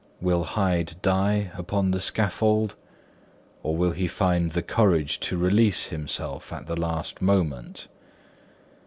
Will Hyde die upon the scaffold? or will he find courage to release himself at the last moment?